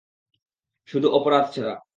শুধু অপরাধ ছাড়া।